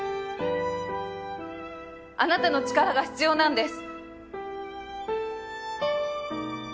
あなたの力が必要なんです。